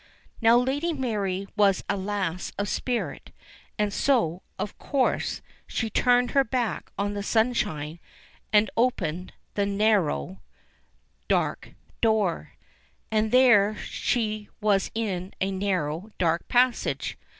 Now Lady Mary was a lass of spirit, and so, of course, she turned her back on the sunshine, and opened the narrow, 234 ENGLISH FAIRY TALES dark door. And there she was in a narrow, dark passage.